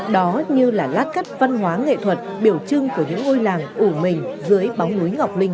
đó như là lá cắt văn hóa nghệ thuật biểu trưng của những ngôi làng ủ mình dưới bóng núi ngọc linh